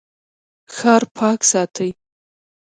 ښار پاک ساتئ